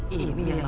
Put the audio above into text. anak itu sedang